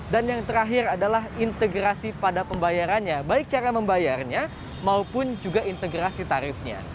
dan yang terakhir adalah integrasi pada pembayarannya baik cara membayarnya maupun juga integrasi tarifnya